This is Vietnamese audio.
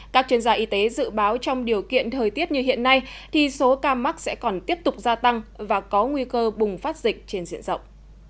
các chuyên gia y tế dự báo trong điều kiện thời tiết như hiện nay thì số ca mắc sẽ còn tiếp tục gia tăng và có nguy cơ bùng phát dịch trên diện rộng